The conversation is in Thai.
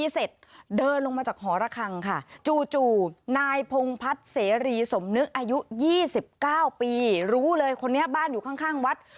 สมนึกอายุ๒๙ปีรู้เลยคนนี้บ้านอยู่ข้างวัด